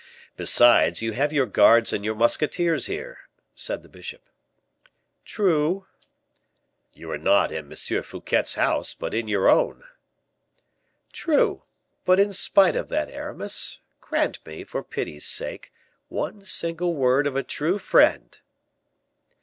"Besides, you have your guards and your musketeers here," said the bishop. "True." "You are not in M. Fouquet's house, but in your own." "True; but in spite of that, Aramis, grant me, for pity's sake, one single word of a true friend."